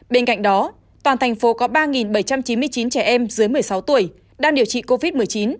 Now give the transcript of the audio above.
bên cạnh đó toàn thành phố có ba bảy trăm chín mươi chín trẻ em dưới một mươi sáu tuổi đang điều trị covid một mươi chín